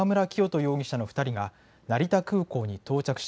容疑者の２人が成田空港に到着し